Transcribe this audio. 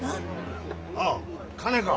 あっ金か。